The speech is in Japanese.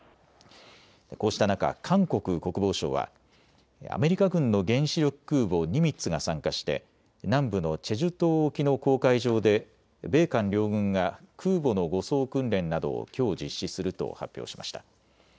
こうした中、韓国国防省はアメリカ軍の原子力空母、ニミッツが参加して南部のチェジュ島沖の公海上で米韓両軍が空母の護送訓練などをきょう実施すると発表しました。